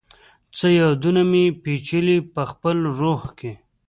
څه یادونه مي، پیچلي پخپل روح کي